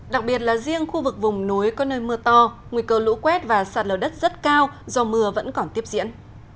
đặc biệt là riêng khu vực vùng núi có nơi mưa to nguy cơ lũ quét và sạt lở đất rất cao do mưa vẫn còn tiếp diễn